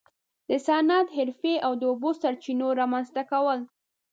د صنعت، حرفې او د اوبو سرچینو رامنځته کول.